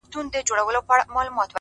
د زړه روڼتیا باور پیاوړی کوي؛